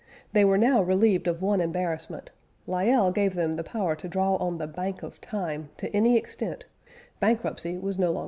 They were now relieved of one embarrassment: Lyell gave them the power to draw on the Bank of Time to any extent; bankruptcy was no longer possible.